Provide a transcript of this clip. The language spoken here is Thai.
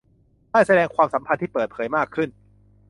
ได้แสดงความสัมพันธ์ที่เปิดเผยมากขึ้น